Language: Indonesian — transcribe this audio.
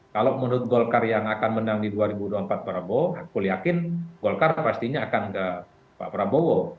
kalau menurut golkar yang akan menang di dua ribu dua puluh empat prabowo aku yakin golkar pastinya akan ke pak prabowo